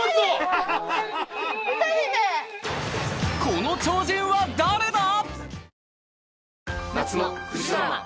［この超人は誰だ？］